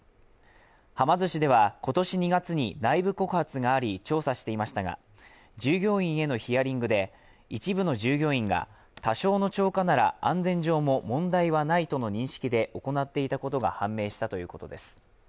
はま寿司では今年２月に内部告発があり、調査していましたが従業員へのヒアリングで、一部の従業員が多少の超過なら安全上も問題はないとの認識で行っていたことが判明したということです。